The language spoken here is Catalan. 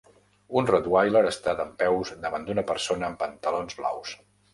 Un rottweiler està dempeus davant d'una persona amb pantalons blaus.